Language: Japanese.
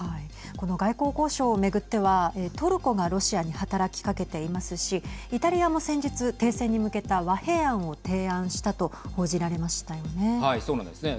この外交交渉をめぐってはトルコがロシアに働きかけていますしイタリアも先日、停戦に向けた和平案をはい、そうなんですね。